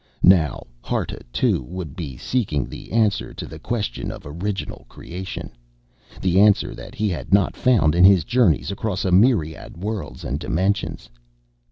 Now Harta, too, would be seeking the answer to the question of original creation, the answer that he had not found in his journeys across a myriad worlds and dimensions....